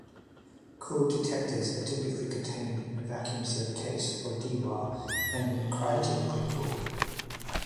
Cooled detectors are typically contained in a vacuum-sealed case or Dewar and cryogenically cooled.